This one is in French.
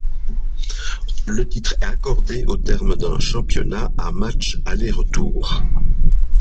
Le titre est accordé au terme d'un championnat à matchs aller-retour.